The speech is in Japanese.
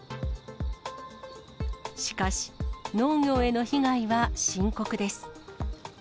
しかし、農業への被害は深刻です。